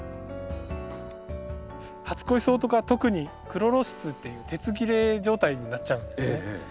初恋草とか特にクロロシスっていう鉄切れ状態になっちゃうんですね。